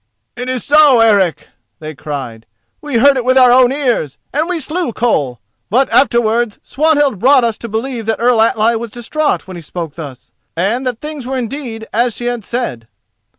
"It is so, Eric!" they cried; "we heard it with our own ears, and we slew Koll. But afterwards Swanhild brought us to believe that Earl Atli was distraught when he spoke thus, and that things were indeed as she had said."